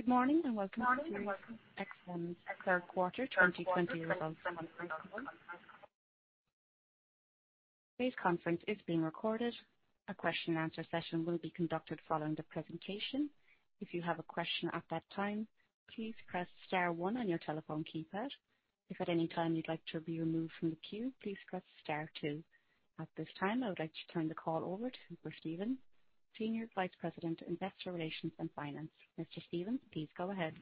Good morning, and welcome to the Sirius XM third quarter 2020 results conference call. Today's conference is being recorded. A question and answer session will be conducted following the presentation. If you have a question at that time, please press star one on your telephone keypad. If at any time you'd like to be removed from the queue, please press star two. At this time, I would like to turn the call over to Hooper Stevens, Senior Vice President, Investor Relations and Finance. Mr. Stevens, please go ahead.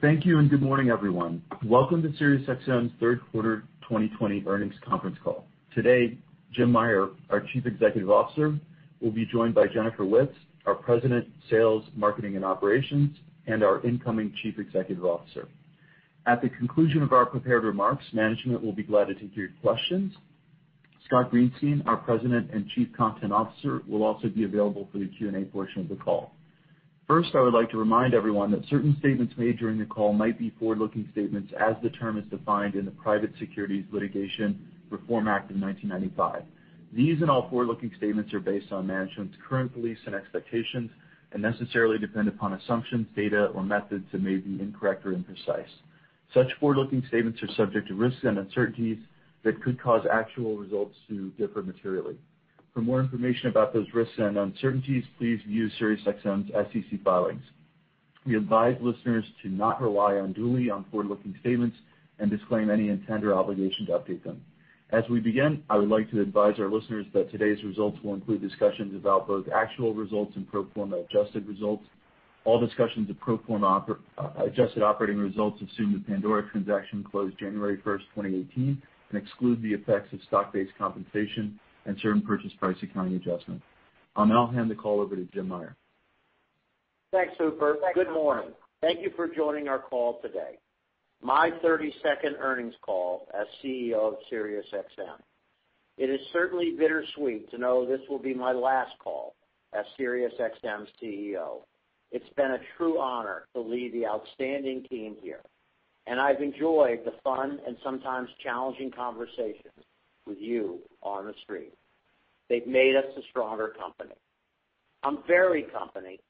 Thank you, good morning, everyone. Welcome to Sirius XM's third quarter 2020 earnings conference call. Today, Jim Meyer, our Chief Executive Officer, will be joined by Jennifer Witz, our President, Sales, Marketing, and Operations, and our incoming Chief Executive Officer. At the conclusion of our prepared remarks, management will be glad to take your questions. Scott Greenstein, our President and Chief Content Officer, will also be available for the Q&A portion of the call. First, I would like to remind everyone that certain statements made during the call might be forward-looking statements as the term is defined in the Private Securities Litigation Reform Act of 1995. These all forward-looking statements are based on management's current beliefs and expectations and necessarily depend upon assumptions, data, or methods that may be incorrect or imprecise. Such forward-looking statements are subject to risks and uncertainties that could cause actual results to differ materially. For more information about those risks and uncertainties, please view Sirius XM's SEC filings. We advise listeners to not rely unduly on forward-looking statements and disclaim any intent or obligation to update them. As we begin, I would like to advise our listeners that today's results will include discussions about both actual results and pro forma adjusted results. All discussions of pro forma adjusted operating results assume the Pandora transaction closed January first, 2018 and exclude the effects of stock-based compensation and certain purchase price accounting adjustments. I'll now hand the call over to Jim Meyer. Thanks, Hooper. Good morning. Thank you for joining our call today, my 32nd earnings call as CEO of Sirius XM. It is certainly bittersweet to know this will be my last call as Sirius XM's CEO. It's been a true honor to lead the outstanding team here, and I've enjoyed the fun and sometimes challenging conversations with you on the Street. They've made us a stronger company. I'm very confident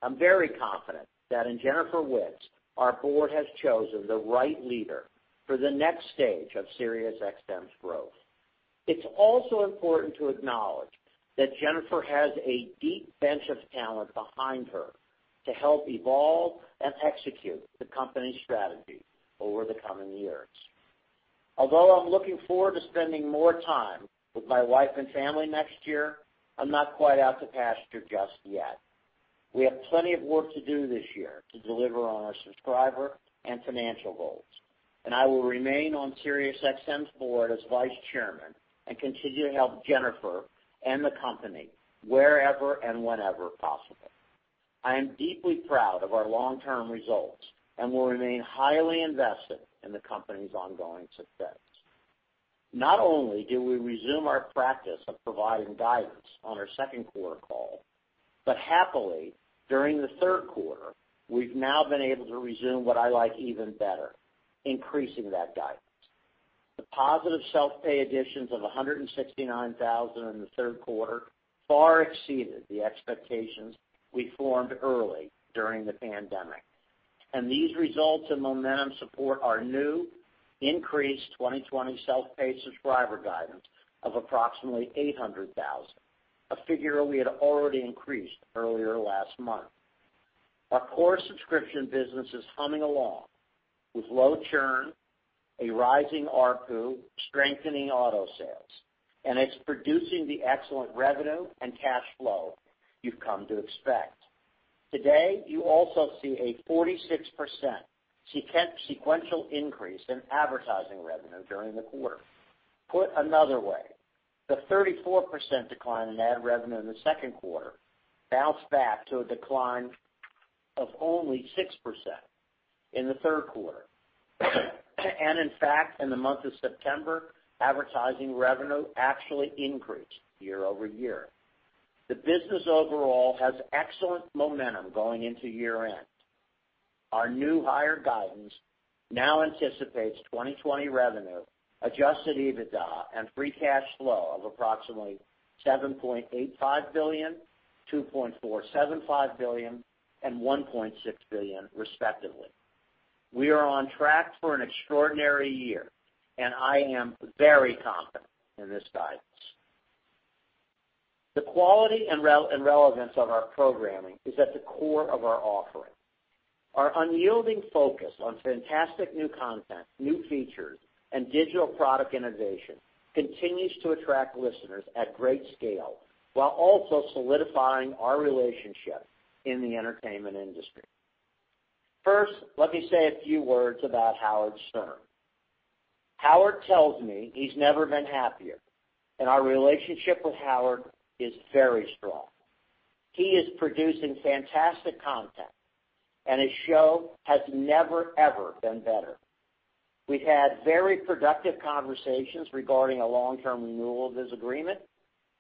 that in Jennifer Witz, our board has chosen the right leader for the next stage of Sirius XM's growth. It's also important to acknowledge that Jennifer has a deep bench of talent behind her to help evolve and execute the company's strategy over the coming years. Although I'm looking forward to spending more time with my wife and family next year, I'm not quite out to pasture just yet. We have plenty of work to do this year to deliver on our subscriber and financial goals. I will remain on SiriusXM's board as Vice Chairman and continue to help Jennifer and the company wherever and whenever possible. I am deeply proud of our long-term results and will remain highly invested in the company's ongoing success. Not only did we resume our practice of providing guidance on our second quarter call. Happily, during the third quarter, we've now been able to resume what I like even better, increasing that guidance. The positive self-pay additions of 169,000 in the third quarter far exceeded the expectations we formed early during the pandemic. These results and momentum support our new increased 2020 self-pay subscriber guidance of approximately 800,000, a figure we had already increased earlier last month. Our core subscription business is humming along with low churn, a rising ARPU, strengthening auto sales, and it's producing the excellent revenue and cash flow you've come to expect. Today, you also see a 46% sequential increase in advertising revenue during the quarter. Put another way, the 34% decline in ad revenue in the second quarter bounced back to a decline of only 6% in the third quarter. In fact, in the month of September, advertising revenue actually increased year-over-year. The business overall has excellent momentum going into year-end. Our new higher guidance now anticipates 2020 revenue, adjusted EBITDA, and free cash flow of approximately $7.85 billion, $2.475 billion, and $1.6 billion, respectively. We are on track for an extraordinary year. I am very confident in this guidance. The quality and relevance of our programming is at the core of our offering. Our unyielding focus on fantastic new content, new features, and digital product innovation continues to attract listeners at great scale, while also solidifying our relationship in the entertainment industry. First, let me say a few words about Howard Stern. Howard tells me he's never been happier, and our relationship with Howard is very strong. He is producing fantastic content, and his show has never, ever been better. We've had very productive conversations regarding a long-term renewal of his agreement.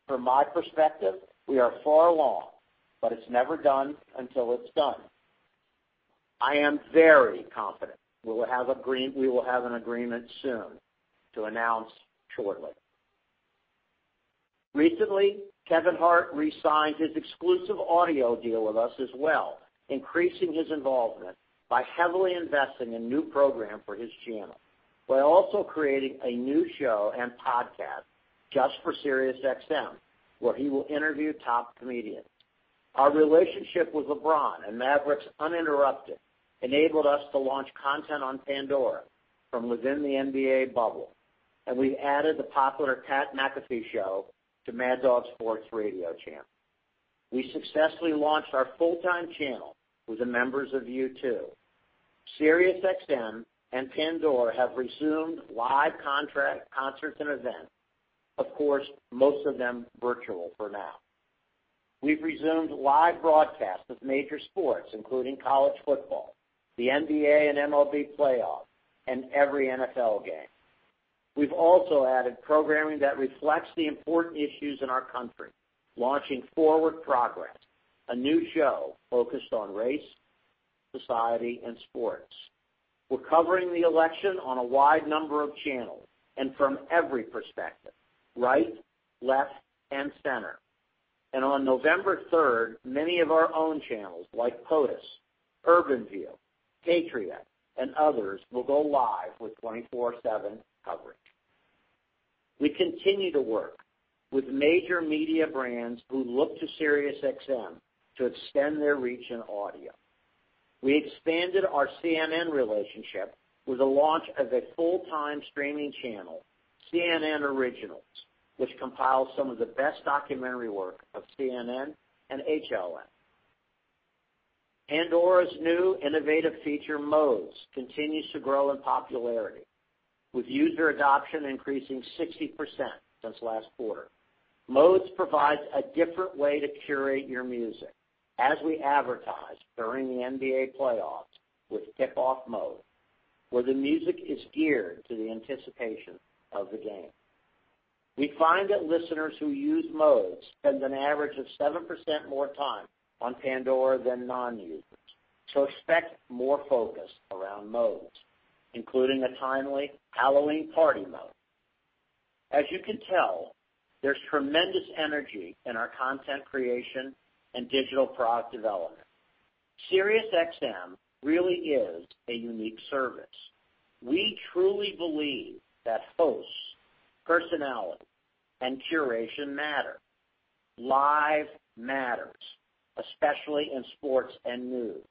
From my perspective, we are far along, it's never done until it's done. I am very confident we will have an agreement soon to announce shortly. Recently, Kevin Hart re-signed his exclusive audio deal with us as well, increasing his involvement by heavily investing in new program for his channel, while also creating a new show and podcast just for SiriusXM, where he will interview top comedians. Our relationship with LeBron and Maverick's UNINTERRUPTED enabled us to launch content on Pandora from within the NBA bubble, we added The Pat McAfee Show to Mad Dog Sports Radio channel. We successfully launched our full-time channel with the members of U2. Sirius XM and Pandora have resumed live contract concerts and events. Of course, most of them virtual for now. We've resumed live broadcasts of major sports, including college football, the NBA, and MLB playoffs, every NFL game. We've also added programming that reflects the important issues in our country, launching Forward Progress, a new show focused on race, society, and sports. We're covering the election on a wide number of channels and from every perspective, right, left, and center. On November 3rd, many of our own channels like POTUS, Urban View, Patriot, and others will go live with 24/7 coverage. We continue to work with major media brands who look to SiriusXM to extend their reach in audio. We expanded our CNN relationship with the launch of a full-time streaming channel, CNN Originals, which compiles some of the best documentary work of CNN and HLN. Pandora's new innovative feature, Modes, continues to grow in popularity, with user adoption increasing 60% since last quarter. Modes provides a different way to curate your music, as we advertised during the NBA playoffs with Tip-Off Mode, where the music is geared to the anticipation of the game. We find that listeners who use Modes spend an average of 7% more time on Pandora than non-users. Expect more focus around Modes, including a timely Halloween party mode. As you can tell, there's tremendous energy in our content creation and digital product development. SiriusXM really is a unique service. We truly believe that hosts, personality, and curation matter. Live matters, especially in sports and news.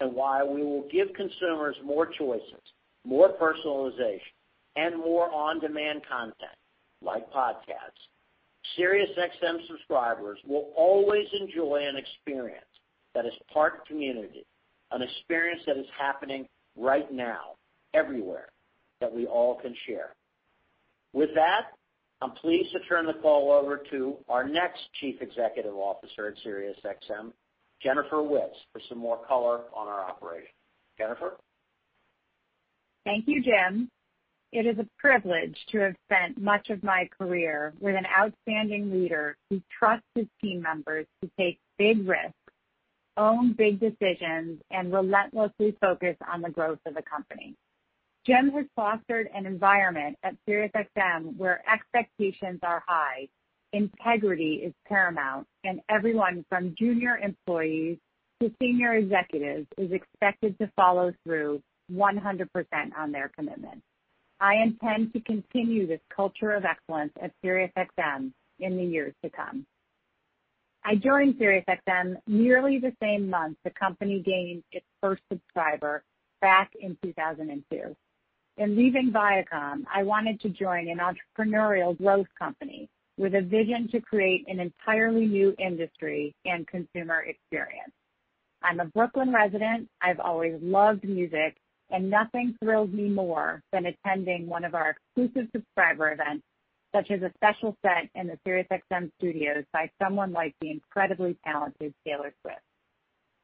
While we will give consumers more choices, more personalization, and more on-demand content like podcasts, SiriusXM subscribers will always enjoy an experience that is part community, an experience that is happening right now everywhere that we all can share. With that, I'm pleased to turn the call over to our next chief executive officer at SiriusXM, Jennifer Witz, for some more color on our operation. Jennifer? Thank you, Jim. It is a privilege to have spent much of my career with an outstanding leader who trusts his team members to take big risks, own big decisions, and relentlessly focus on the growth of the company. Jim has fostered an environment at Sirius XM where expectations are high, integrity is paramount, and everyone from junior employees to senior executives is expected to follow through 100% on their commitments. I intend to continue this culture of excellence at Sirius XM in the years to come. I joined Sirius XM nearly the same month the company gained its first subscriber back in 2002. In leaving Viacom, I wanted to join an entrepreneurial growth company with a vision to create an entirely new industry and consumer experience. I'm a Brooklyn resident, I've always loved music, and nothing thrills me more than attending one of our exclusive subscriber events, such as a special set in the Sirius XM studios by someone like the incredibly talented Taylor Swift.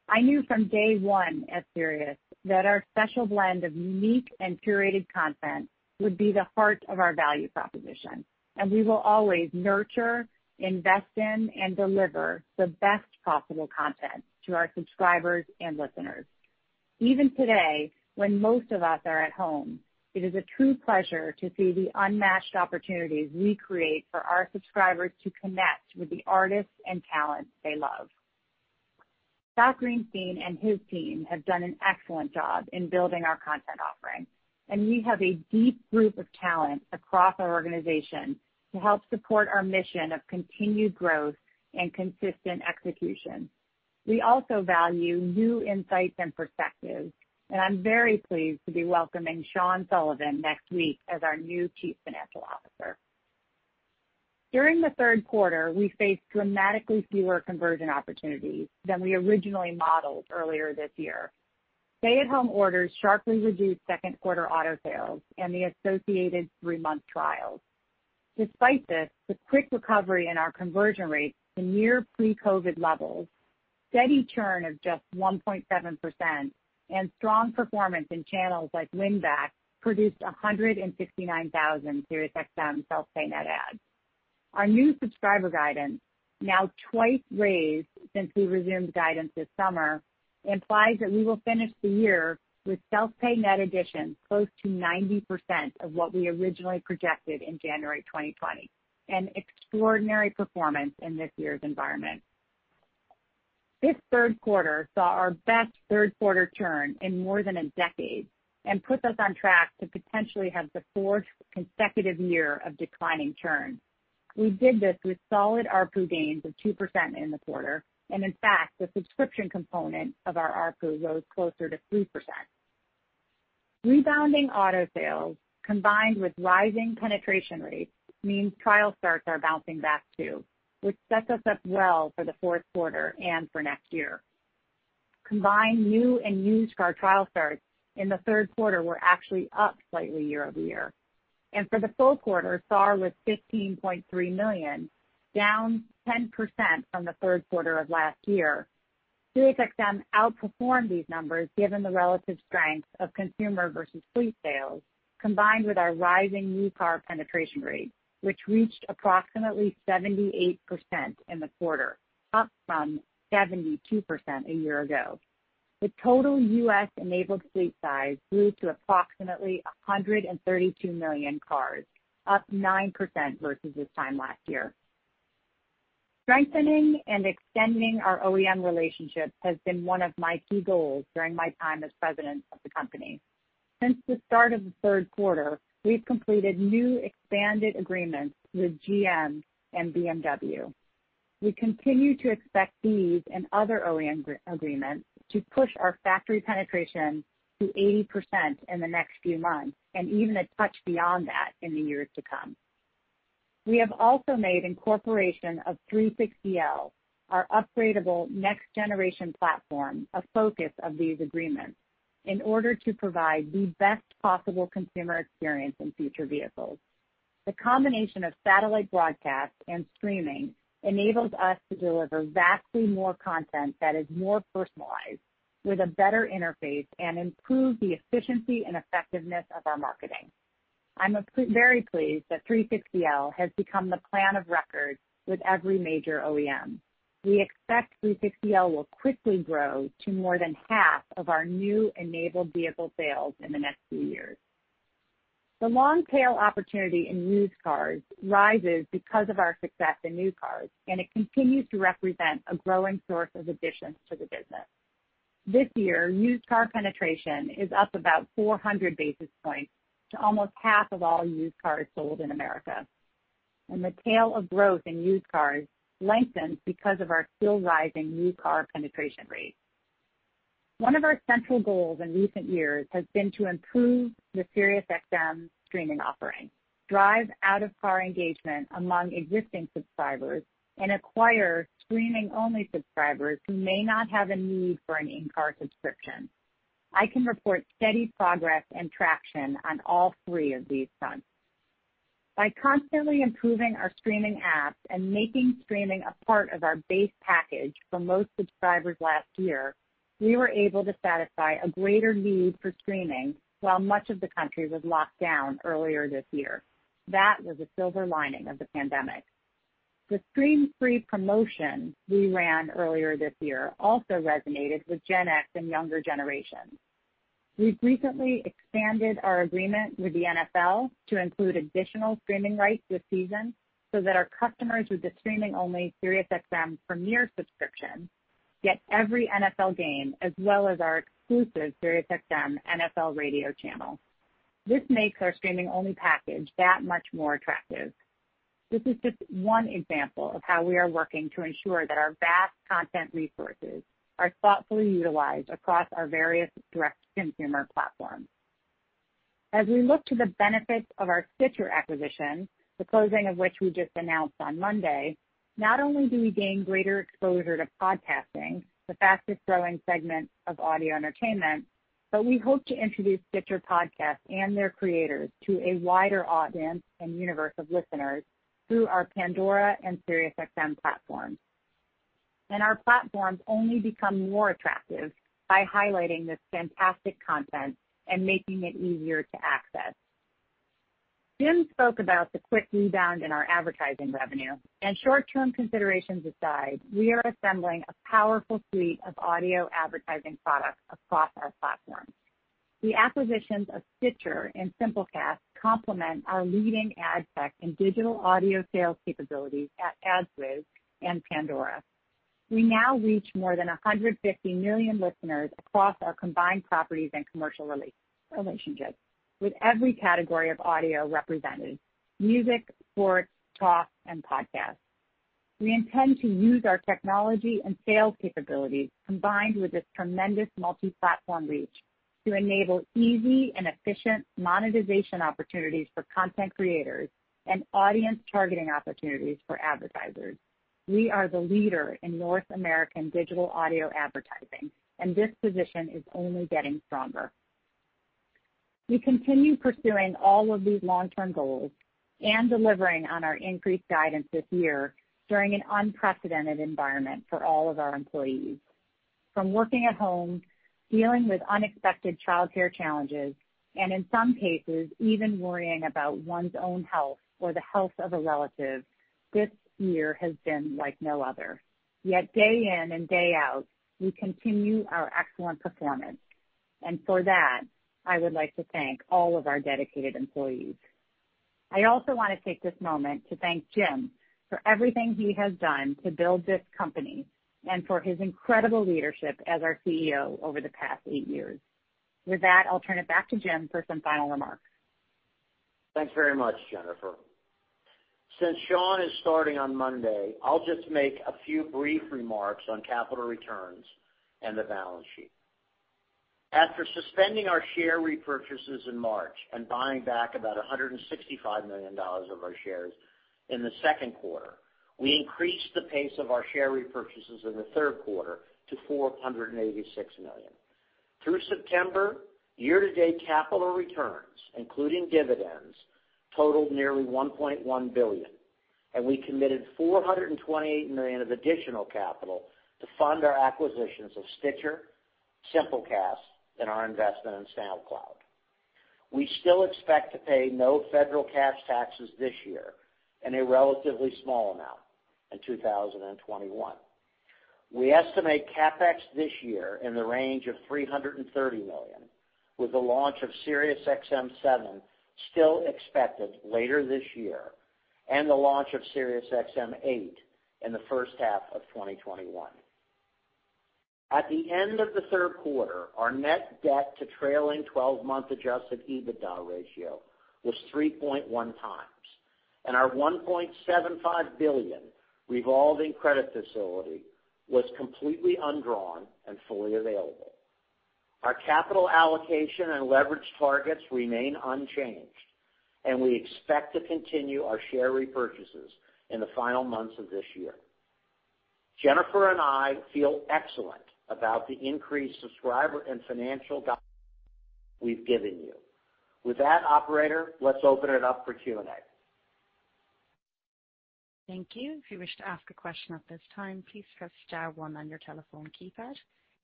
I knew from day one at Sirius that our special blend of unique and curated content would be the heart of our value proposition, and we will always nurture, invest in, and deliver the best possible content to our subscribers and listeners. Even today, when most of us are at home, it is a true pleasure to see the unmatched opportunities we create for our subscribers to connect with the artists and talents they love. Scott Greenstein and his team have done an excellent job in building our content offering, and we have a deep group of talent across our organization to help support our mission of continued growth and consistent execution. We also value new insights and perspectives, and I'm very pleased to be welcoming Sean Sullivan next week as our new Chief Financial Officer. During the third quarter, we faced dramatically fewer conversion opportunities than we originally modeled earlier this year. Stay-at-home orders sharply reduced second quarter auto sales and the associated three-month trials. Despite this, the quick recovery in our conversion rates to near pre-COVID levels, steady churn of just 1.7%, and strong performance in channels like win-back produced 169,000 Sirius XM self-pay net adds. Our new subscriber guidance, now twice raised since we resumed guidance this summer, implies that we will finish the year with self-pay net additions close to 90% of what we originally projected in January 2020, an extraordinary performance in this year's environment. This third quarter saw our best third quarter turn in more than a decade and puts us on track to potentially have the fourth consecutive year of declining churn. We did this with solid ARPU gains of 2% in the quarter, and in fact, the subscription component of our ARPU rose closer to 3%. Rebounding auto sales combined with rising penetration rates means trial starts are bouncing back too, which sets us up well for the fourth quarter and for next year. Combined new and used car trial starts in the third quarter were actually up slightly year-over-year. For the full quarter, SAAR was 15.3 million, down 10% from the third quarter of last year. Sirius XM outperformed these numbers given the relative strength of consumer versus fleet sales, combined with our rising new car penetration rate, which reached approximately 78% in the quarter, up from 72% a year ago. The total U.S. enabled fleet size grew to approximately 132 million cars, up 9% versus this time last year. Strengthening and extending our OEM relationships has been one of my key goals during my time as president of the company. Since the start of the third quarter, we've completed new expanded agreements with GM and BMW. We continue to expect these and other OEM agreements to push our factory penetration to 80% in the next few months, and even a touch beyond that in the years to come. We have also made incorporation of 360L, our upgradable next generation platform, a focus of these agreements in order to provide the best possible consumer experience in future vehicles. The combination of satellite broadcast and streaming enables us to deliver vastly more content that is more personalized with a better interface and improve the efficiency and effectiveness of our marketing. I'm very pleased that 360L has become the plan of record with every major OEM. We expect 360L will quickly grow to more than half of our new enabled vehicle sales in the next few years. The long tail opportunity in used cars rises because of our success in new cars, and it continues to represent a growing source of additions to the business. This year, used car penetration is up about 400 basis points to almost half of all used cars sold in America, and the tail of growth in used cars lengthens because of our still rising new car penetration rates. One of our central goals in recent years has been to improve the Sirius XM streaming offering, drive out of car engagement among existing subscribers, and acquire streaming-only subscribers who may not have a need for an in-car subscription. I can report steady progress and traction on all three of these fronts. By constantly improving our streaming apps and making streaming a part of our base package for most subscribers last year, we were able to satisfy a greater need for streaming while much of the country was locked down earlier this year. That was a silver lining of the pandemic. The stream free promotion we ran earlier this year also resonated with Gen X and younger generations. We've recently expanded our agreement with the NFL to include additional streaming rights this season so that our customers with the streaming-only SiriusXM Premier subscription get every NFL game, as well as our exclusive SiriusXM NFL radio channel. This makes our streaming-only package that much more attractive. This is just one example of how we are working to ensure that our vast content resources are thoughtfully utilized across our various direct consumer platforms. As we look to the benefits of our Stitcher acquisition, the closing of which we just announced on Monday, not only do we gain greater exposure to podcasting, the fastest growing segment of audio entertainment, but we hope to introduce Stitcher podcast and their creators to a wider audience and universe of listeners through our Pandora and Sirius XM platforms. Our platforms only become more attractive by highlighting this fantastic content and making it easier to access. Jim spoke about the quick rebound in our advertising revenue and short-term considerations aside, we are assembling a powerful suite of audio advertising products across our platforms. The acquisitions of Stitcher and Simplecast complement our leading ad tech and digital audio sales capabilities at AdsWizz and Pandora. We now reach more than 150 million listeners across our combined properties and commercial relationships with every category of audio represented, music, sports, talk, and podcast. We intend to use our technology and sales capabilities, combined with this tremendous multi-platform reach to enable easy and efficient monetization opportunities for content creators and audience targeting opportunities for advertisers. We are the leader in North American digital audio advertising, and this position is only getting stronger. We continue pursuing all of these long-term goals and delivering on our increased guidance this year during an unprecedented environment for all of our employees. From working at home, dealing with unexpected childcare challenges, and in some cases even worrying about one's own health or the health of a relative, this year has been like no other. Day in and day out, we continue our excellent performance, and for that, I would like to thank all of our dedicated employees. I also want to take this moment to thank Jim for everything he has done to build this company and for his incredible leadership as our CEO over the past eight years. With that, I'll turn it back to Jim for some final remarks. Thanks very much, Jennifer. Since Sean is starting on Monday, I'll just make a few brief remarks on capital returns and the balance sheet. After suspending our share repurchases in March and buying back about $165 million of our shares in the second quarter, we increased the pace of our share repurchases in the third quarter to $486 million. Through September, year-to-date capital returns, including dividends, totaled nearly $1.1 billion, and we committed $428 million of additional capital to fund our acquisitions of Stitcher, Simplecast, and our investment in SoundCloud. We still expect to pay no federal cash taxes this year and a relatively small amount in 2021. We estimate CapEx this year in the range of $330 million, with the launch of SiriusXM Seven still expected later this year, and the launch of SiriusXM Eight in the first half of 2021. At the end of the third quarter, our net debt to trailing 12-month adjusted EBITDA ratio was 3.1x, and our $1.75 billion revolving credit facility was completely undrawn and fully available. Our capital allocation and leverage targets remain unchanged, and we expect to continue our share repurchases in the final months of this year. Jennifer and I feel excellent about the increased subscriber and financial guidance we've given you. With that operator, let's open it up for Q&A. Thank you.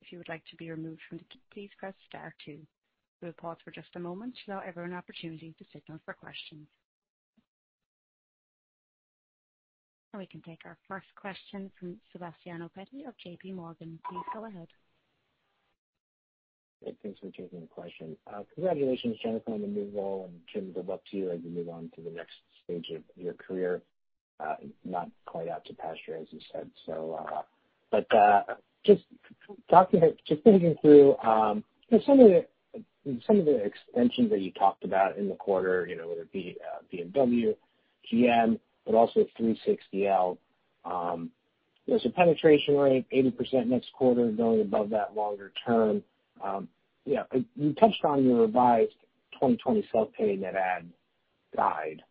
Now we can take our first question from Sebastiano Petti of JPMorgan. Please go ahead. Thanks for taking the question. Congratulations, Jennifer, on the new role, and Jim, good luck to you as you move on to the next stage of your career. Not quite out to pasture, as you said. Just thinking through some of the extensions that you talked about in the quarter, whether it be BMW, GM, but also 360L. There's a penetration rate, 80% next quarter, going above that longer term. You touched on your revised 2020 self-pay net add guide.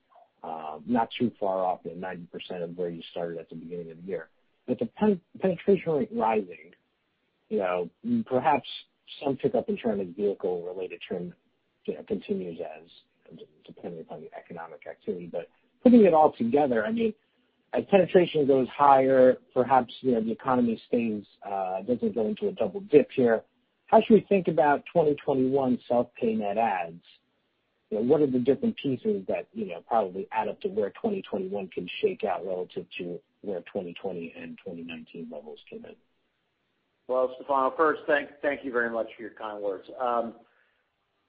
Not too far off the 90% of where you started at the beginning of the year. With the penetration rate rising, perhaps some pickup in terms of vehicle-related trend continues as dependent on the economic activity. Putting it all together, as penetration goes higher, perhaps the economy doesn't go into a double dip here. How should we think about 2021 self-pay net adds? What are the different pieces that probably add up to where 2021 can shake out relative to where 2020 and 2019 levels came in? Well, Sebastiano, first, thank you very much for your kind words.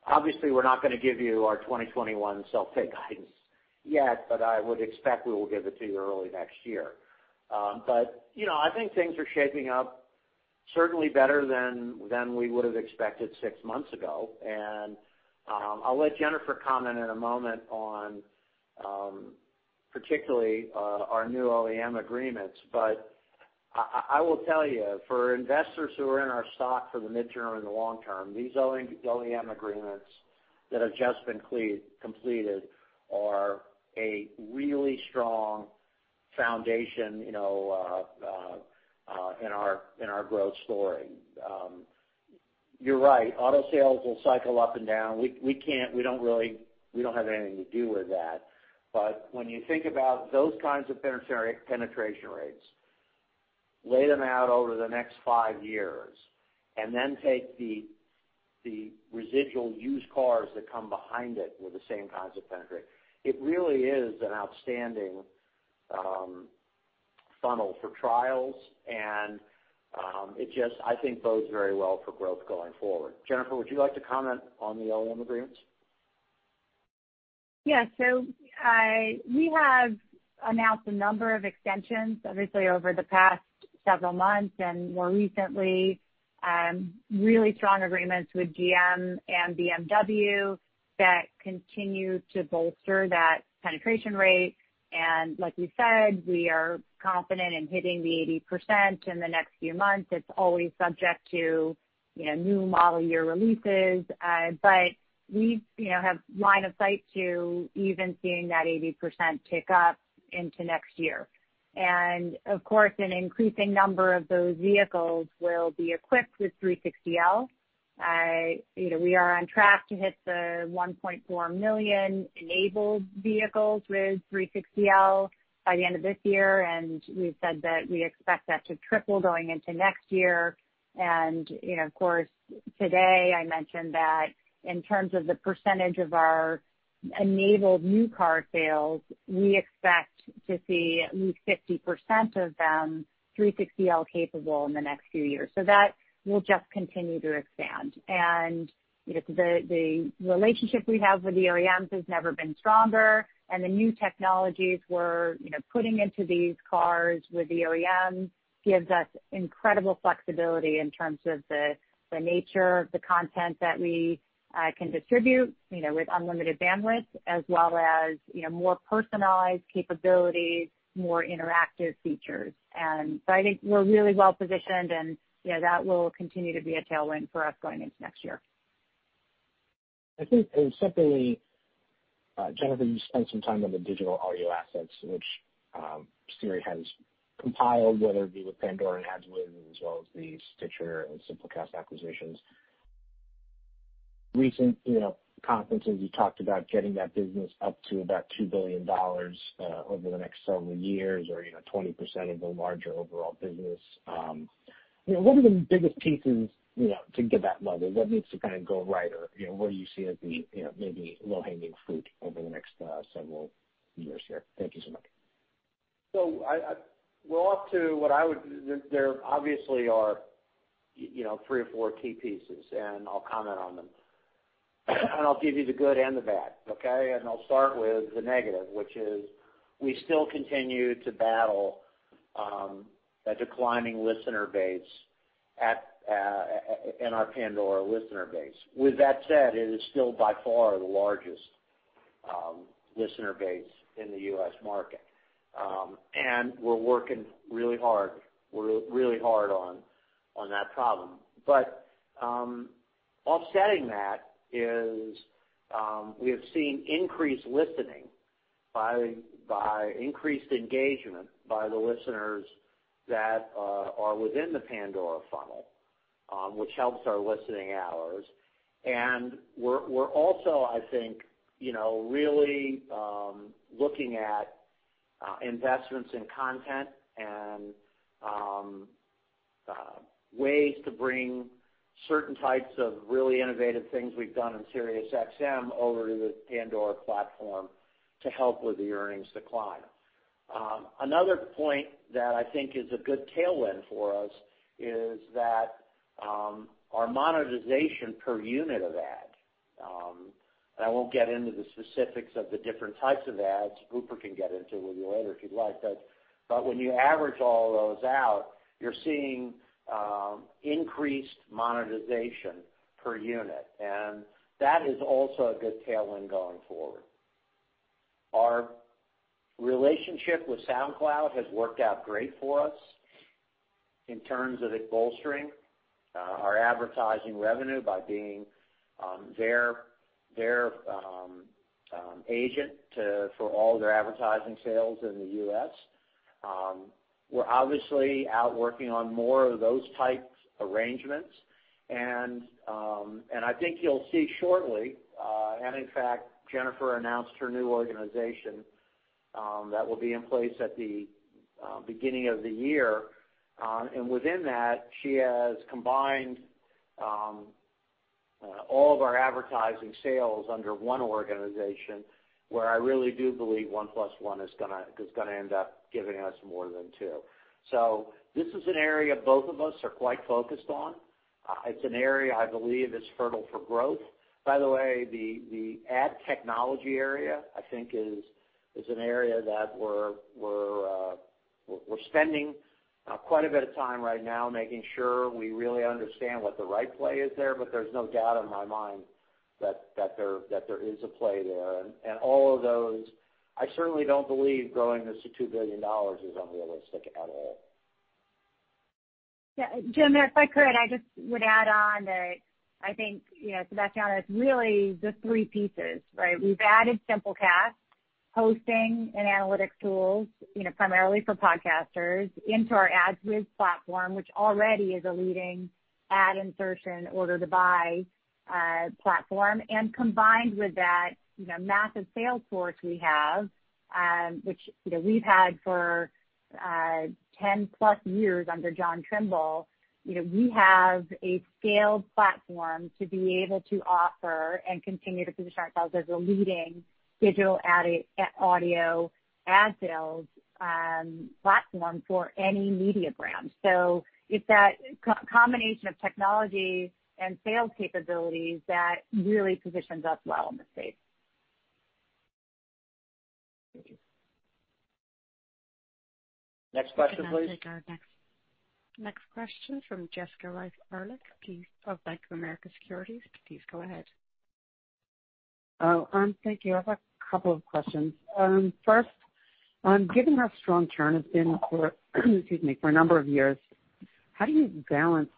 Obviously, we're not going to give you our 2021 self-pay guidance yet. I would expect we will give it to you early next year. I think things are shaping up certainly better than we would have expected six months ago. I'll let Jennifer comment in a moment on particularly our new OEM agreements. I will tell you, for investors who are in our stock for the midterm and the long term, these OEM agreements that have just been completed are a really strong foundation in our growth story. You're right, auto sales will cycle up and down. We don't have anything to do with that. When you think about those kinds of penetration rates, lay them out over the next five years, and then take the residual used cars that come behind it with the same kinds of penetration, it really is an outstanding funnel for trials, and it just, I think, bodes very well for growth going forward. Jennifer, would you like to comment on the OEM agreements? We have announced a number of extensions, obviously, over the past several months and more recently really strong agreements with GM and BMW that continue to bolster that penetration rate. Like we said, we are confident in hitting the 80% in the next few months. It's always subject to new model year releases. We have line of sight to even seeing that 80% tick up into next year. Of course, an increasing number of those vehicles will be equipped with 360L. We are on track to hit the 1.4 million enabled vehicles with 360L by the end of this year, and we've said that we expect that to triple going into next year. Of course, today I mentioned that in terms of the percentage of our enabled new car sales, we expect to see at least 50% of them 360L capable in the next few years. That will just continue to expand. The relationship we have with the OEMs has never been stronger, and the new technologies we're putting into these cars with the OEMs gives us incredible flexibility in terms of the nature of the content that we can distribute with unlimited bandwidth as well as more personalized capabilities, more interactive features. I think we're really well-positioned and that will continue to be a tailwind for us going into next year. I think, certainly, Jennifer, you spent some time on the digital audio assets, which Sirius XM has compiled, whether it be with Pandora and AdsWizz, as well as the Stitcher and Simplecast acquisitions. Recent conferences, you talked about getting that business up to about $2 billion over the next several years or 20% of the larger overall business. What are the biggest pieces to get that level? What needs to go right or what do you see as the maybe low-hanging fruit over the next several years here? Thank you so much. There obviously are three or four key pieces, and I'll comment on them. I'll give you the good and the bad. Okay? I'll start with the negative, which is we still continue to battle a declining listener base in our Pandora listener base. With that said, it is still by far the largest listener base in the U.S. market. We're working really hard on that problem. Offsetting that is we have seen increased listening by increased engagement by the listeners that are within the Pandora funnel, which helps our listening hours. We're also, I think, really looking at investments in content and ways to bring certain types of really innovative things we've done in Sirius XM over to the Pandora platform to help with the earnings decline. Another point that I think is a good tailwind for us is that our monetization per unit of ad. I won't get into the specifics of the different types of ads. Hooper can get into with you later if you'd like. When you average all those out, you're seeing increased monetization per unit, and that is also a good tailwind going forward. Our relationship with SoundCloud has worked out great for us in terms of it bolstering our advertising revenue by being their agent for all their advertising sales in the U.S. We're obviously out working on more of those types arrangements and I think you'll see shortly, and in fact, Jennifer announced her new organization that will be in place at the beginning of the year. Within that, she has combined all of our advertising sales under one organization where I really do believe one plus one is going to end up giving us more than two. This is an area both of us are quite focused on. It's an area I believe is fertile for growth. By the way, the ad technology area, I think is an area that we're spending quite a bit of time right now making sure we really understand what the right play is there, but there's no doubt in my mind that there is a play there. All of those, I certainly don't believe growing this to $2 billion is unrealistic at all. Yeah, Jim, if I could, I just would add on that I think to back down, it's really the three pieces, right? We've added Simplecast hosting and analytics tools primarily for podcasters into our AdsWizz platform, which already is a leading ad insertion order to buy platform. Combined with that massive sales force we have, which we've had for 10+ years under John Trimble, we have a scaled platform to be able to offer and continue to position ourselves as a leading digital audio ad sales platform for any media brand. It's that combination of technology and sales capabilities that really positions us well in the space. Thank you. Next question, please. We can now take our next question from Jessica Reif Ehrlich of Bank of America Securities. Please go ahead. Thank you. I have a couple of questions. Given how strong churn has been for excuse me, for a number of years, how do you balance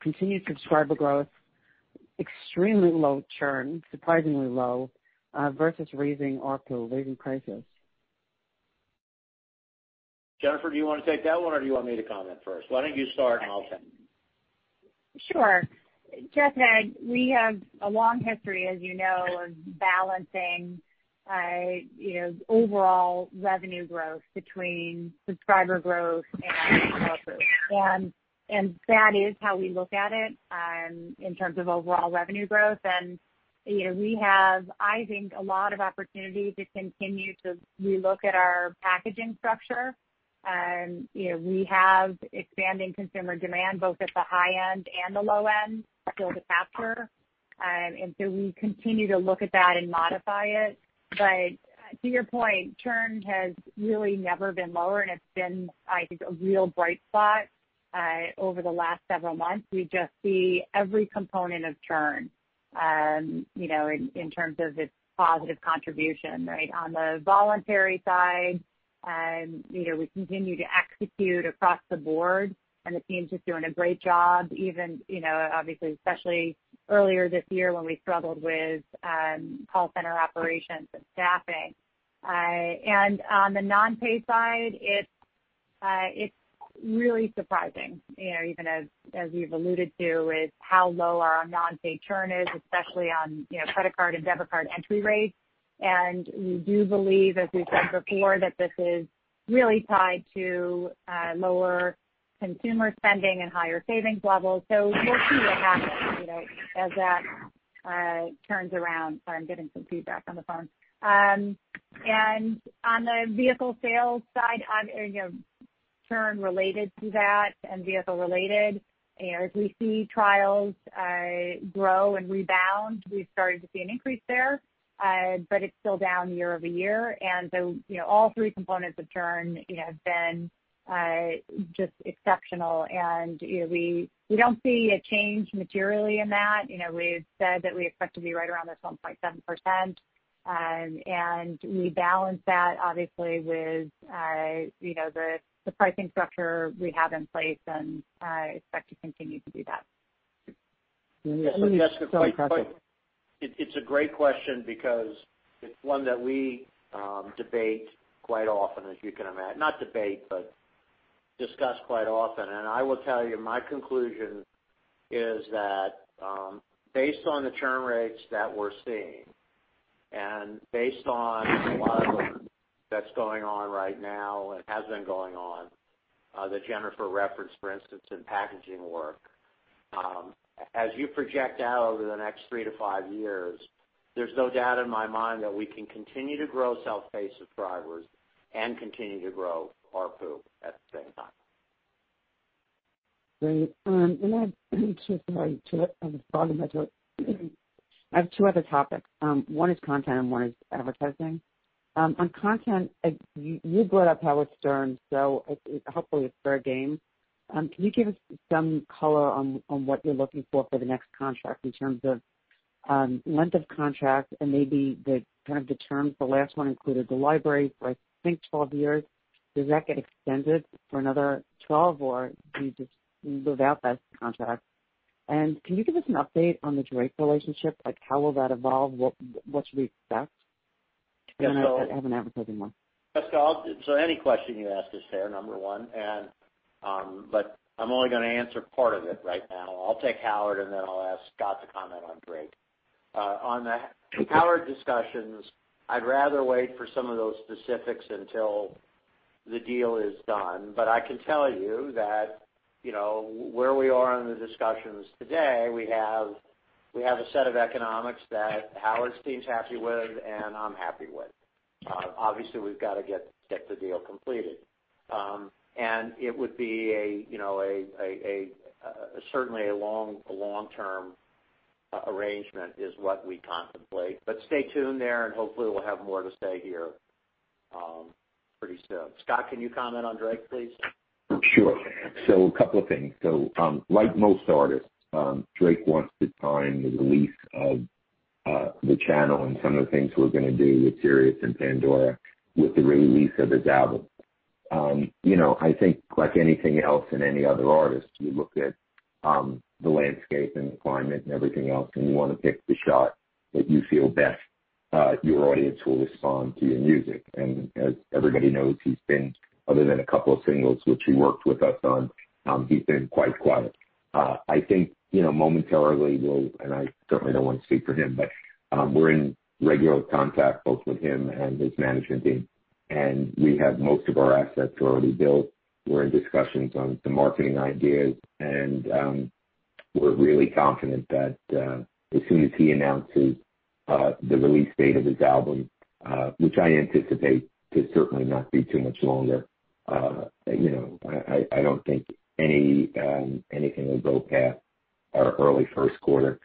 continued subscriber growth, extremely low churn, surprisingly low, versus raising ARPU, raising prices? Jennifer, do you want to take that one or do you want me to comment first? Why don't you start and I'll second. Sure. Jessica, we have a long history, as you know, of balancing overall revenue growth between subscriber growth and ARPU. That is how we look at it in terms of overall revenue growth. We have, I think, a lot of opportunity to continue to relook at our packaging structure. We have expanding consumer demand both at the high end and the low end still to capture. So we continue to look at that and modify it. To your point, churn has really never been lower, and it's been, I think, a real bright spot over the last several months. We just see every component of churn in terms of its positive contribution, right? On the voluntary side, we continue to execute across the board, and the team's just doing a great job. Even, obviously, especially earlier this year when we struggled with call center operations and staffing. On the non-pay side, it's really surprising, even as you've alluded to, is how low our non-pay churn is, especially on credit card and debit card entry rates. We do believe, as we've said before, that this is really tied to lower consumer spending and higher savings levels. We'll see what happens as that turns around. Sorry, I'm getting some feedback on the phone. On the vehicle sales side, on churn related to that and vehicle related, as we see trials grow and rebound, we've started to see an increase there. It's still down year-over-year. All three components of churn have been just exceptional, and we don't see a change materially in that. We had said that we expect to be right around this 1.7%, and we balance that obviously with the pricing structure we have in place, and I expect to continue to do that. Let me ask a quick- It's a great question because it's one that we debate quite often, as you can imagine. Not debate, but discuss quite often. I will tell you, my conclusion is that based on the churn rates that we're seeing, and based on a lot of work that's going on right now and has been going on that Jennifer referenced, for instance, in packaging work. As you project out over the next three to five years, there's no doubt in my mind that we can continue to grow self-pay subscribers and continue to grow ARPU at the same time. Great. Sorry, I have a frog in my throat. I have two other topics. One is content and one is advertising. On content, you brought up Howard Stern, hopefully it's fair game. Can you give us some color on what you're looking for the next contract in terms of length of contract and maybe the terms? The last one included the library for I think 12 years. Does that get extended for another 12, do you just live out that contract? Can you give us an update on the Drake relationship? Like, how will that evolve? What should we expect? I have an advertising one. Jessica, any question you ask is fair, number 1. I'm only going to answer part of it right now. I'll take Howard, then I'll ask Scott to comment on Drake. On the Howard discussions, I'd rather wait for some of those specifics until the deal is done. I can tell you that where we are in the discussions today, we have a set of economics that Howard's team's happy with and I'm happy with. Obviously, we've got to get the deal completed. It would be certainly a long-term arrangement is what we contemplate. Stay tuned there and hopefully we'll have more to say here pretty soon. Scott, can you comment on Drake, please? Sure. A couple of things. Like most artists, Drake wants to time the release of the channel and some of the things we're going to do with Sirius and Pandora with the release of his album. I think like anything else and any other artist, you look at the landscape and the climate and everything else, and you want to pick the shot that you feel best your audience will respond to your music. As everybody knows, he's been, other than a couple of singles which he worked with us on, he's been quite quiet. I think momentarily we'll, and I certainly don't want to speak for him, but we're in regular contact both with him and his management team, and we have most of our assets already built. We're in discussions on some marketing ideas, and we're really confident that as soon as he announces the release date of his album, which I anticipate to certainly not be too much longer. I don't think anything will go past our early first quarter.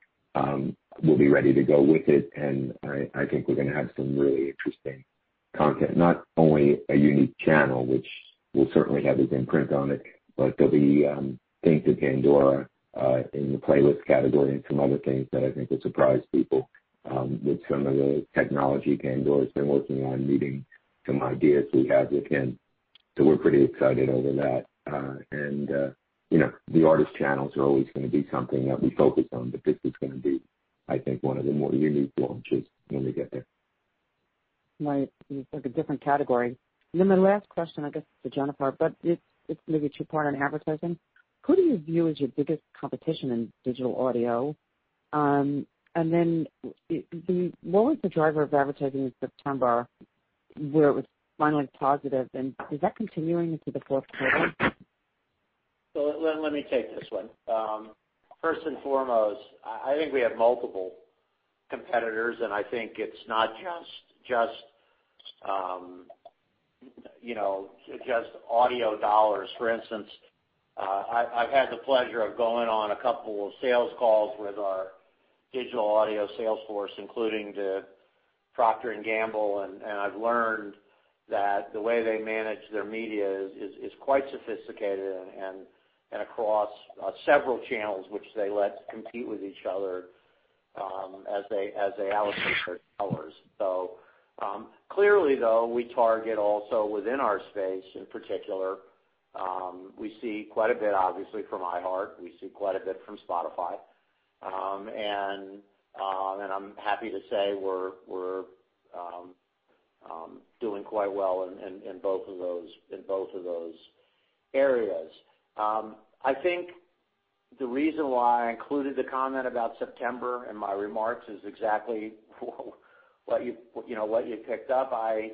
We'll be ready to go with it, and I think we're going to have some really interesting content. Not only a unique channel, which will certainly have his imprint on it, but there'll be things in Pandora in the playlist category and some other things that I think will surprise people with some of the technology Pandora's been working on, meeting some ideas we have with him. We're pretty excited over that. The artist channels are always going to be something that we focus on, but this is going to be, I think, one of the more unique launches when we get there. Right. It's like a different category. My last question, I guess, is for Jennifer, but it's maybe to your point on advertising. Who do you view as your biggest competition in digital audio? What was the driver of advertising in September where it was finally positive, and is that continuing into the fourth quarter? Let me take this one. First and foremost, I think we have multiple competitors, and I think it's not just audio dollars. For instance, I've had the pleasure of going on a couple of sales calls with our digital audio sales force, including to Procter & Gamble, and I've learned that the way they manage their media is quite sophisticated and across several channels, which they let compete with each other as they allocate their dollars. Clearly though, we target also within our space in particular. We see quite a bit, obviously, from iHeartMedia, we see quite a bit from Spotify. I'm happy to say we're doing quite well in both of those areas. I think the reason why I included the comment about September in my remarks is exactly what you picked up. I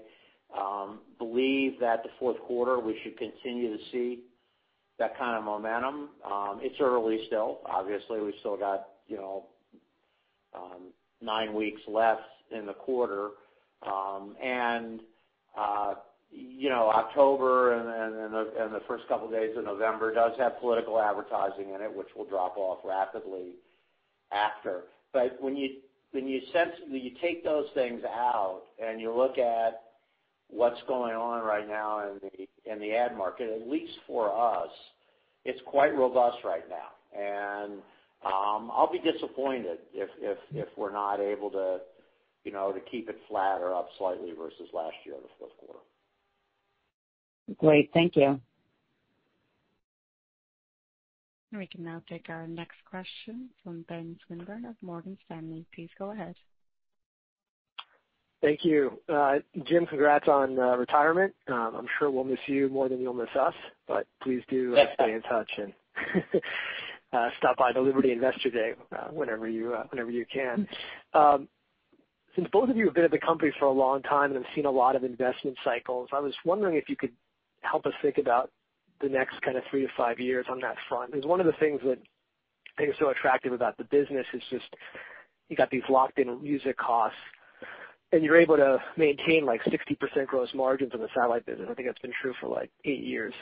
believe that the fourth quarter, we should continue to see that kind of momentum. It's early still. Obviously, we still got nine weeks left in the quarter. October and the first couple of days of November does have political advertising in it, which will drop off rapidly after. When you take those things out and you look at what's going on right now in the ad market, at least for us, it's quite robust right now. I'll be disappointed if we're not able to keep it flat or up slightly versus last year in the fourth quarter. Great. Thank you. We can now take our next question from Ben Swinburne of Morgan Stanley. Please go ahead. Thank you. Jim, congrats on retirement. I'm sure we'll miss you more than you'll miss us, but please do stay in touch and stop by the Liberty Investor Day whenever you can. Since both of you have been at the company for a long time and have seen a lot of investment cycles, I was wondering if you could help us think about the next three to five years on that front. One of the things that I think is so attractive about the business is just you've got these locked-in music costs, and you're able to maintain like 60% gross margins on the satellite business. I think that's been true for eight years.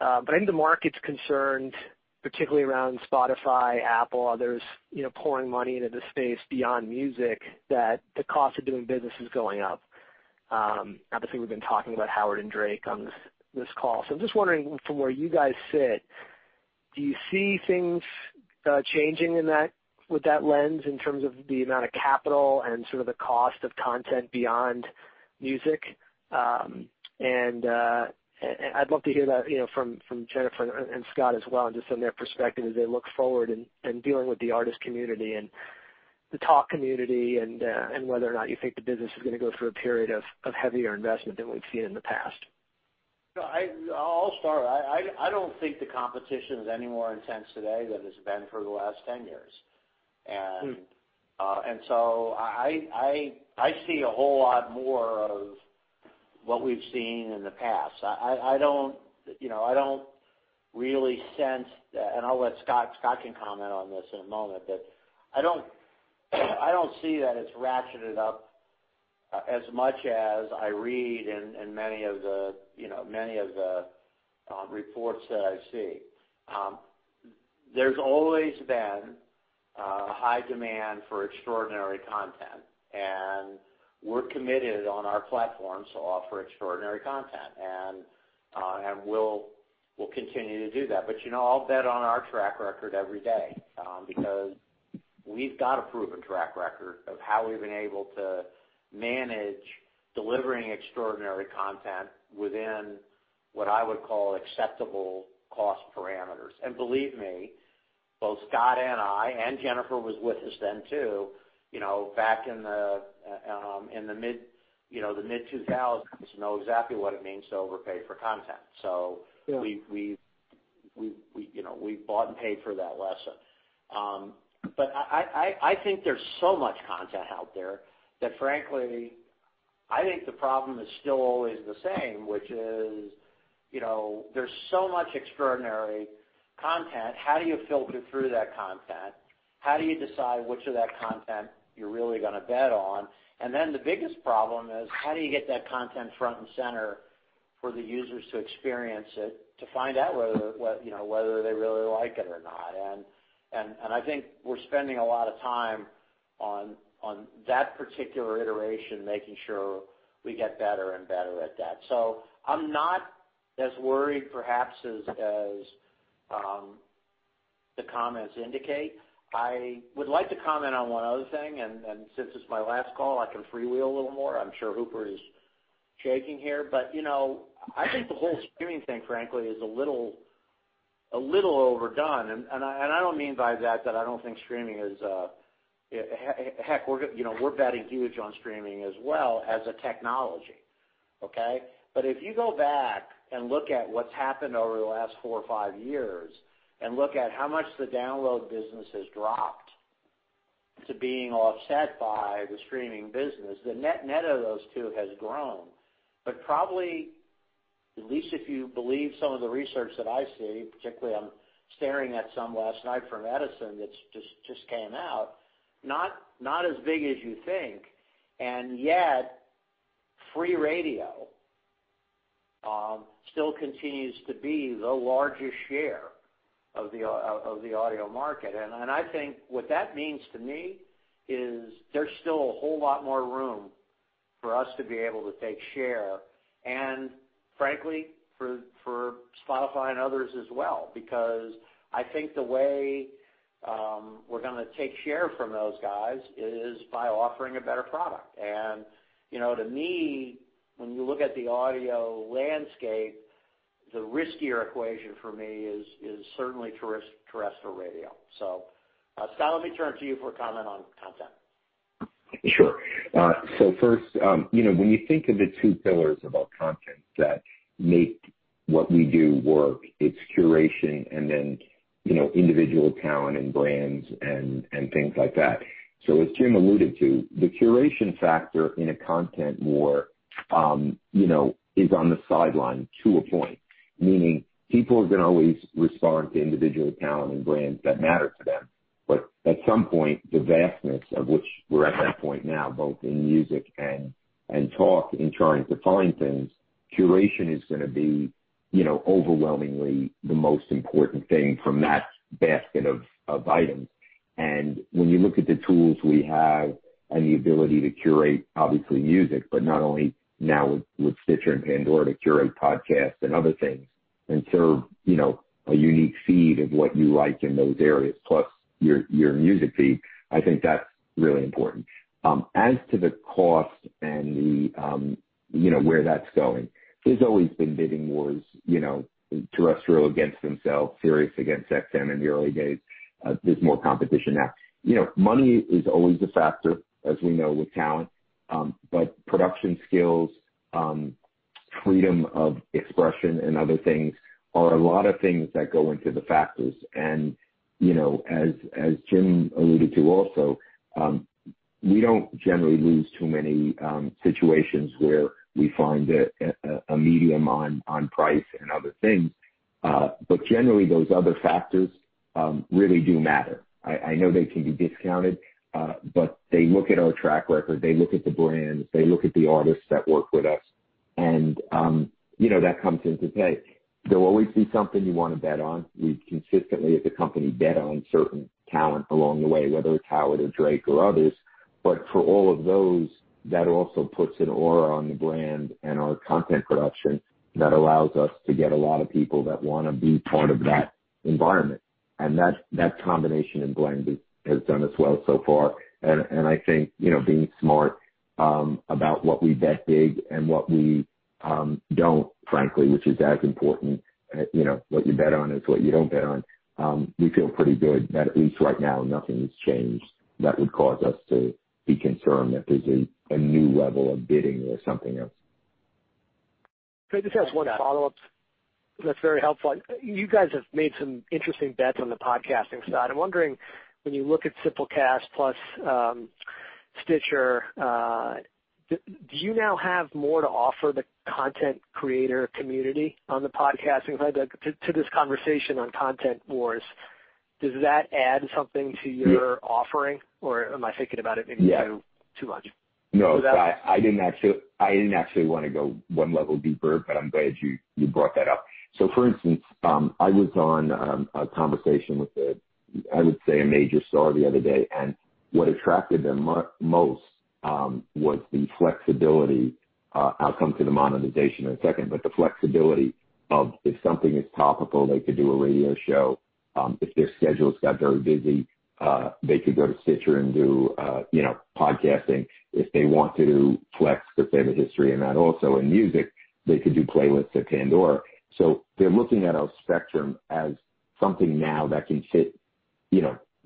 I think the market's concerned, particularly around Spotify, Apple, others pouring money into the space beyond music, that the cost of doing business is going up. Obviously, we've been talking about Howard and Drake on this call. I'm just wondering from where you guys sit, do you see things changing with that lens in terms of the amount of capital and sort of the cost of content beyond music? I'd love to hear that from Jennifer and Scott as well, and just from their perspective as they look forward in dealing with the artist community and the talk community, and whether or not you think the business is going to go through a period of heavier investment than we've seen in the past. I'll start. I don't think the competition is any more intense today than it's been for the last 10 years. I see a whole lot more of what we've seen in the past. I don't really sense that, and I'll let Scott comment on this in a moment, but I don't see that it's ratcheted up as much as I read in many of the reports that I see. There's always been a high demand for extraordinary content, and we're committed on our platform to offer extraordinary content. We'll continue to do that. I'll bet on our track record every day, because we've got a proven track record of how we've been able to manage delivering extraordinary content within what I would call acceptable cost parameters. Believe me, both Scott and I, and Jennifer was with us then too, back in the mid-2000s, know exactly what it means to overpay for content. Yeah we bought and paid for that lesson. I think there's so much content out there that frankly, I think the problem is still always the same, which is, there's so much extraordinary content, how do you filter through that content? How do you decide which of that content you're really going to bet on? The biggest problem is: how do you get that content front and center for the users to experience it, to find out whether they really like it or not? I think we're spending a lot of time on that particular iteration, making sure we get better and better at that. I'm not as worried, perhaps, as the comments indicate. I would like to comment on one other thing, and since it's my last call, I can freewheel a little more. I'm sure Hooper is shaking here. I think the whole streaming thing, frankly, is a little overdone. I don't mean by that I don't think streaming is Heck, we're betting huge on streaming as well as a technology, okay? If you go back and look at what's happened over the last four or five years and look at how much the download business has dropped to being offset by the streaming business. The net of those two has grown, but probably, at least if you believe some of the research that I see, particularly I'm staring at some last night from Edison that just came out, not as big as you think. Yet, free radio still continues to be the largest share of the audio market. I think what that means to me is there's still a whole lot more room for us to be able to take share and frankly, for Spotify and others as well. I think the way we're going to take share from those guys is by offering a better product. To me, when you look at the audio landscape, the riskier equation for me is certainly terrestrial radio. Scott, let me turn to you for a comment on content. First, when you think of the two pillars of our content that make what we do work, it's curation and then individual talent and brands and things like that. As Jim alluded to, the curation factor in a content war is on the sideline to a point, meaning people are going to always respond to individual talent and brands that matter to them. At some point, the vastness of which we're at that point now, both in music and talk in trying to find things, curation is going to be overwhelmingly the most important thing from that basket of items. When you look at the tools we have and the ability to curate, obviously music, but not only now with Stitcher and Pandora to curate podcasts and other things and serve a unique feed of what you like in those areas, plus your music feed, I think that's really important. As to the cost and where that's going, there's always been bidding wars, terrestrial against themselves, Sirius against XM in the early days. There's more competition now. Money is always a factor, as we know with talent. Production skills, freedom of expression, and other things are a lot of things that go into the factors. As Jim alluded to also, we don't generally lose too many situations where we find a medium on price and other things. Generally, those other factors really do matter. I know they can be discounted, but they look at our track record, they look at the brands, they look at the artists that work with us, and that comes into play. There will always be something you want to bet on. We've consistently, as a company, bet on certain talent along the way, whether it's Howard or Drake or others. For all of those, that also puts an aura on the brand and our content production that allows us to get a lot of people that want to be part of that environment. That combination and blend has done us well so far. I think being smart about what we bet big and what we don't, frankly, which is as important, what you bet on as what you don't bet on. We feel pretty good that at least right now, nothing has changed that would cause us to be concerned that there's a new level of bidding or something else. Great. Just as one follow-up that's very helpful. You guys have made some interesting bets on the podcasting side. I'm wondering, when you look at Simplecast plus Stitcher, do you now have more to offer the content creator community on the podcasting side? To this conversation on content wars, does that add something to your offering, or am I thinking about it maybe too much? No. I didn't actually want to go one level deeper. I'm glad you brought that up. For instance, I was on a conversation with, I would say, a major star the other day. What attracted them most was the flexibility. I'll come to the monetization in a second. The flexibility of if something is topical, they could do a radio show. If their schedules got very busy they could go to Stitcher and do podcasting. If they want to flex, let's say, the history and that also in music, they could do playlists at Pandora. They're looking at our spectrum as something now that can fit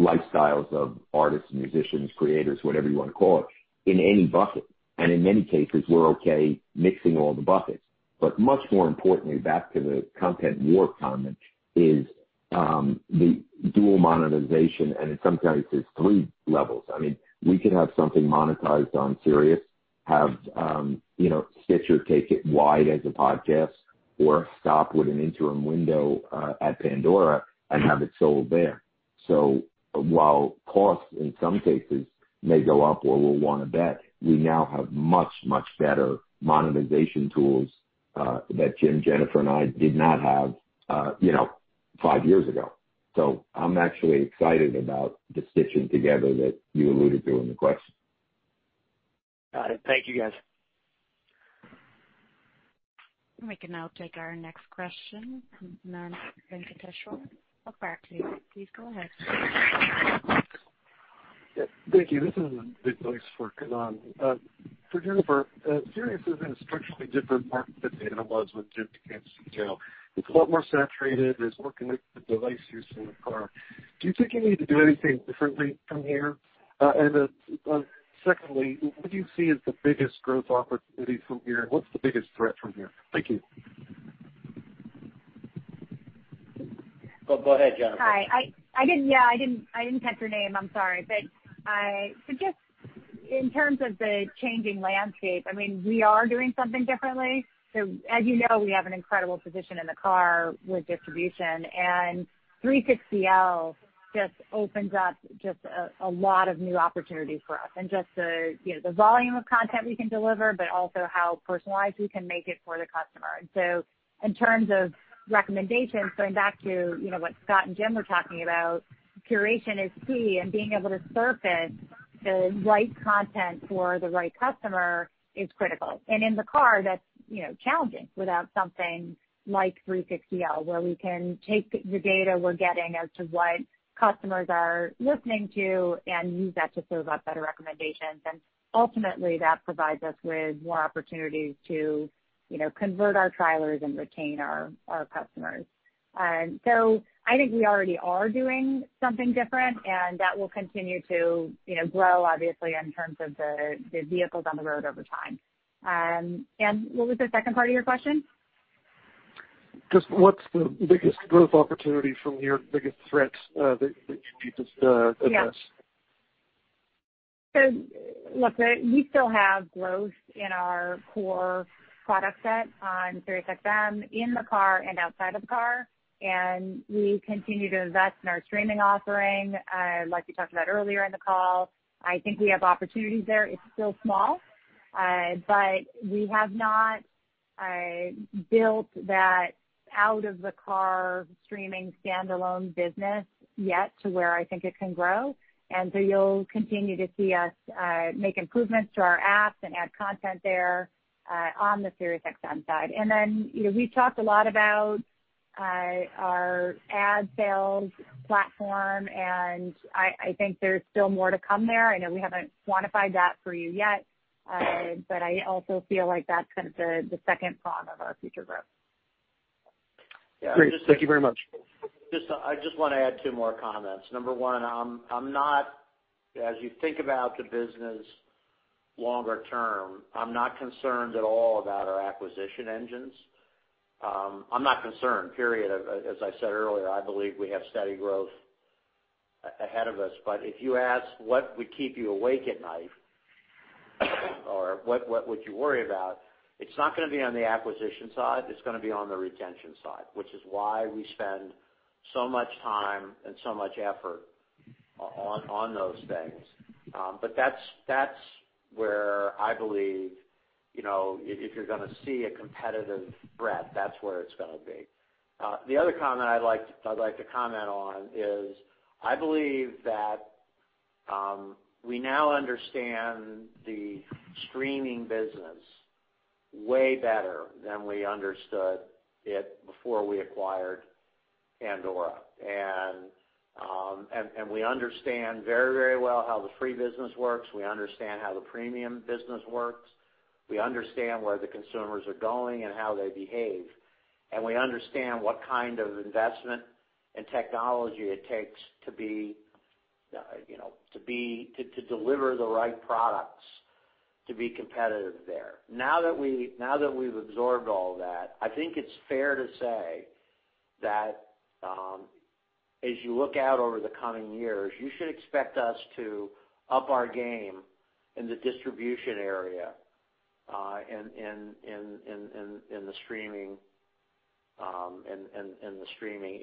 lifestyles of artists, musicians, creators, whatever you want to call it, in any bucket. In many cases, we're okay mixing all the buckets. Much more importantly, back to the content war comment is the dual monetization, and in some cases, three levels. We could have something monetized on Sirius, have Stitcher take it wide as a podcast or stop with an interim window at Pandora and have it sold there. While costs in some cases may go up or we'll want to bet, we now have much, much better monetization tools that Jim, Jennifer, and I did not have five years ago. I'm actually excited about the Stitching together that you alluded to in the question. Got it. Thank you, guys. We can now take our next question from Kannan Venkateshwar of Barclays. Please go ahead. Thank you. This is Vic for Kannan. For Jennifer, Sirius is in a structurally different market than it was when Jim came to CEO. It's a lot more saturated. There's more connected device use in the car. Do you think you need to do anything differently from here? Secondly, what do you see as the biggest growth opportunity from here? What's the biggest threat from here? Thank you. Go ahead, Jennifer. Hi. I didn't catch your name, I'm sorry. Just in terms of the changing landscape, we are doing something differently. As you know, we have an incredible position in the car with distribution, and 360L just opens up a lot of new opportunities for us. Just the volume of content we can deliver, but also how personalized we can make it for the customer. In terms of recommendations, going back to what Scott and Jim were talking about, curation is key, and being able to surface the right content for the right customer is critical. In the car, that's challenging without something like 360L, where we can take the data we're getting as to what customers are listening to and use that to serve up better recommendations. Ultimately, that provides us with more opportunities to convert our trialers and retain our customers. I think we already are doing something different and that will continue to grow obviously, in terms of the vehicles on the road over time. What was the second part of your question? Just what's the biggest growth opportunity from your biggest threat that you need to address? Look, we still have growth in our core product set on Sirius XM in the car and outside of the car, and we continue to invest in our streaming offering, like we talked about earlier in the call. I think we have opportunities there. It's still small, but we have not built that out of the car streaming standalone business yet to where I think it can grow. And so you'll continue to see us make improvements to our apps and add content there on the Sirius XM side. And then, we've talked a lot about our ad sales platform, and I think there's still more to come there. I know we haven't quantified that for you yet. I also feel like that's kind of the second prong of our future growth. Great. Thank you very much. I just want to add two more comments. Number one, as you think about the business longer term, I'm not concerned at all about our acquisition engines. I'm not concerned, period. As I said earlier, I believe we have steady growth ahead of us. If you ask what would keep you awake at night or what would you worry about, it's not going to be on the acquisition side, it's going to be on the retention side, which is why we spend so much time and so much effort on those things. That's where I believe, if you're going to see a competitive threat, that's where it's going to be. The other comment I'd like to comment on is I believe that we now understand the streaming business way better than we understood it before we acquired Pandora. We understand very well how the free business works. We understand how the premium business works. We understand where the consumers are going and how they behave, and we understand what kind of investment and technology it takes to deliver the right products to be competitive there. Now that we've absorbed all that, I think it's fair to say that as you look out over the coming years, you should expect us to up our game in the distribution area and in the streaming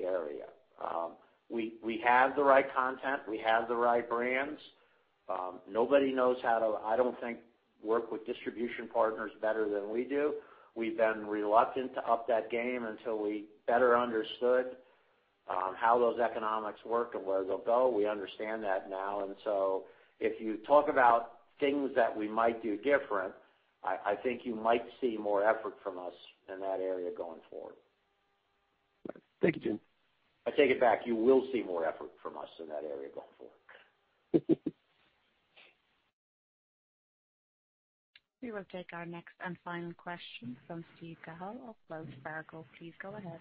area. We have the right content. We have the right brands. Nobody knows how to, I don't think, work with distribution partners better than we do. We've been reluctant to up that game until we better understood how those economics work and where they'll go. We understand that now. If you talk about things that we might do different, I think you might see more effort from us in that area going forward. Thank you, Jim. I take it back. You will see more effort from us in that area going forward. We will take our next and final question from Steve Cahall of Wells Fargo. Please go ahead.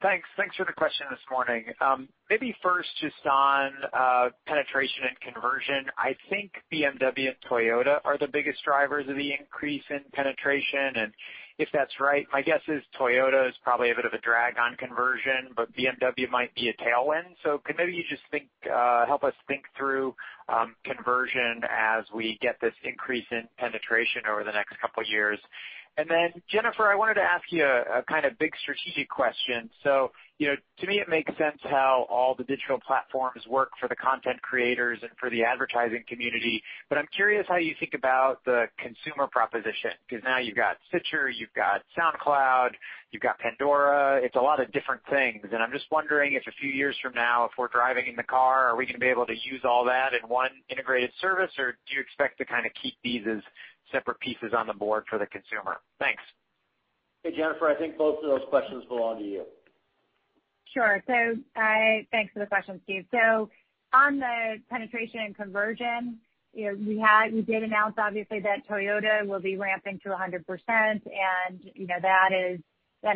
Thanks for the question this morning. Maybe first just on penetration and conversion. I think BMW and Toyota are the biggest drivers of the increase in penetration and if that's right, my guess is Toyota is probably a bit of a drag on conversion, but BMW might be a tailwind. Could maybe you just help us think through conversion as we get this increase in penetration over the next couple of years? Jennifer, I wanted to ask you a kind of big strategic question. To me it makes sense how all the digital platforms work for the content creators and for the advertising community. I'm curious how you think about the consumer proposition, because now you've got Stitcher, you've got SoundCloud, you've got Pandora. It's a lot of different things. I'm just wondering if a few years from now, if we're driving in the car, are we going to be able to use all that in one integrated service, or do you expect to kind of keep these as separate pieces on the board for the consumer? Thanks. Hey, Jennifer, I think both of those questions belong to you. Sure. Thanks for the question, Steve. On the penetration and conversion, we did announce obviously that Toyota will be ramping to 100% and that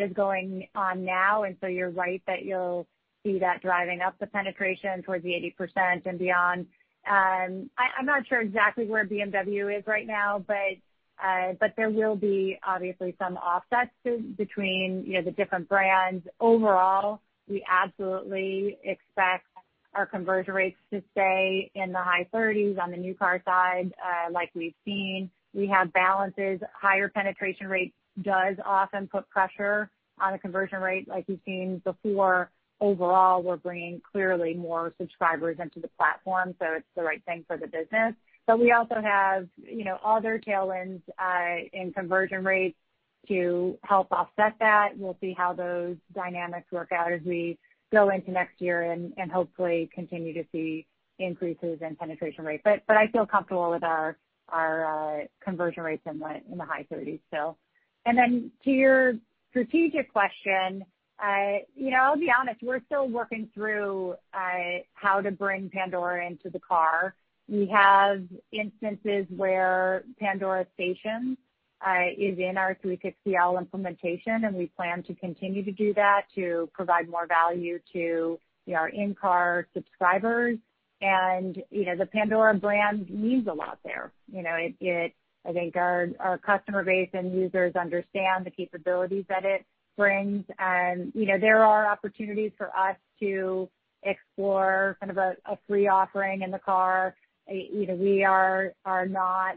is going on now. You're right that you'll see that driving up the penetration towards the 80% and beyond. I'm not sure exactly where BMW is right now, but there will be obviously some offsets between the different brands. Overall, we absolutely expect our conversion rates should stay in the high 30s on the new car side, like we've seen. We have balances. Higher penetration rates does often put pressure on a conversion rate like we've seen before. Overall, we're bringing clearly more subscribers into the platform, so it's the right thing for the business. We also have other tailwinds in conversion rates to help offset that. We'll see how those dynamics work out as we go into next year and hopefully continue to see increases in penetration rates. I feel comfortable with our conversion rates in the high 30s still. Then to your strategic question, I'll be honest, we're still working through how to bring Pandora into the car. We have instances where Pandora stations is in our 360L implementation, and we plan to continue to do that to provide more value to our in-car subscribers. The Pandora brand means a lot there. I think our customer base and users understand the capabilities that it brings. There are opportunities for us to explore kind of a free offering in the car. We are not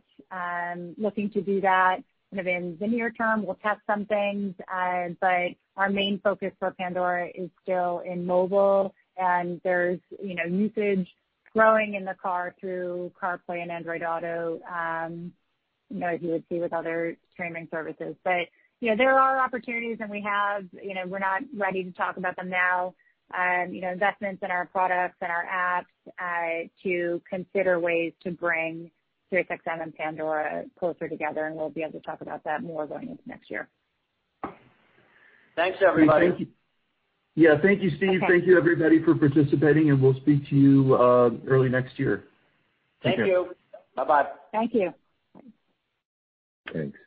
looking to do that kind of in the near term. We'll test some things. Our main focus for Pandora is still in mobile, and there's usage growing in the car through CarPlay and Android Auto, as you would see with other streaming services. There are opportunities, and we're not ready to talk about them now. Investments in our products and our apps to consider ways to bring Sirius XM and Pandora closer together, and we'll be able to talk about that more going into next year. Thanks, everybody. Yeah. Thank you, Steve. Okay. Thank you, everybody, for participating, and we'll speak to you early next year. Take care. Thank you. Bye-bye. Thank you. Thanks.